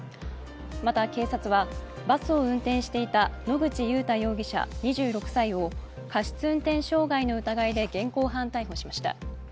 また、警察はバスを運転していた野口祐太容疑者２６歳を過失運転傷害の疑いで現行犯逮捕しました。